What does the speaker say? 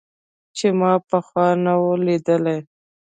چې ما پخوا نه و ليدلى.